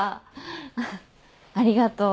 ありがとう。